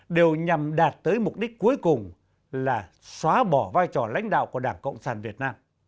đều nhằm đạt tới mục đích cuối cùng là xóa bỏ vai trò lãnh đạo của đảng cộng sản việt nam